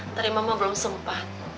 tadi mamah belum sempat